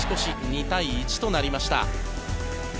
２対１となりました。